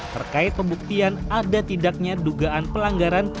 terkait pembuktian ada tidaknya dugaan pelanggaran